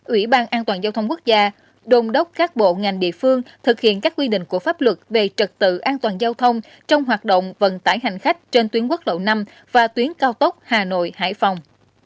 ủy ban an toàn giao thông quốc gia đồng đốc các bộ ngành địa phương thực hiện các quy định của pháp luật về trật tự an toàn giao thông trong hoạt động vận tải hành khách trên tuyến quốc lộ năm và tuyến cao tốc hà nội hải phòng